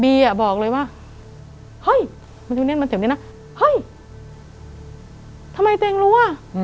บีบอกเลยว่าเฮ้ยมันเต็มนะเฮ้ยทำไมเธอเองรู้